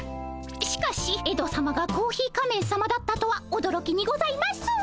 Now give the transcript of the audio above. しかしエドさまがコーヒー仮面さまだったとはおどろきにございます。